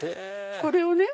これをね